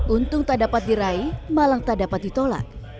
untung tak dapat diraih malang tak dapat ditolak